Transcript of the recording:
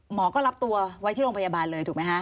หมอก็รับตัวไว้ที่โรงพยาบาลเลยถูกไหมคะ